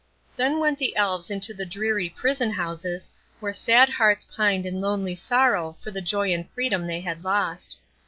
Then went the Elves into the dreary prison houses, where sad hearts pined in lonely sorrow for the joy and freedom they had lost.